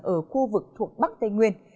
ở khu vực thuộc bắc tây nguyên